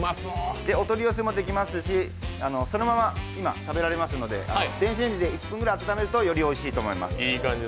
お取り寄せもできますしそのまま今、食べられますので電子レンジで１分ぐらい温めるとおいしいと思います。